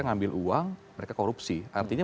ngambil uang mereka korupsi artinya